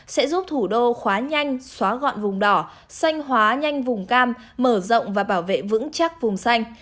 sẽ giúp thủ đô khóa nhanh xóa gọn vùng đỏ xanh hóa nhanh vùng cam mở rộng và bảo vệ vững chắc vùng xanh